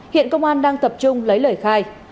hiện công an đang tập trung lấy lời khai